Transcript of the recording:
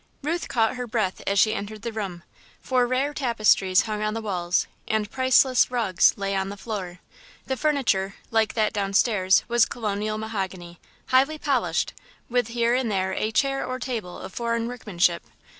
Ruth caught her breath as she entered the room, for rare tapestries hung on the walls and priceless rugs lay on the floor. The furniture, like that downstairs, was colonial mahogany, highly polished, with here and there a chair or table of foreign workmanship.